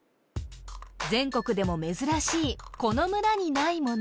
全国でも珍しいこの村にないもの